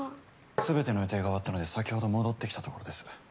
全ての予定が終わったので先ほど戻ってきたところです。